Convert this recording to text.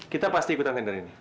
kita pasti ikutan tender ini